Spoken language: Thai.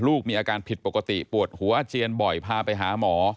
ลูกมีอาการผิดปกติปวดหัวอาเจียนบ่อยพาไปหาหมอ